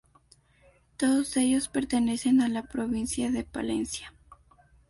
Todos ellos pertenecen a la provincia de Palencia.